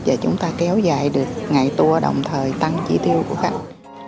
và chúng ta kéo dài được ngày tour đồng thời tăng chi tiêu của khách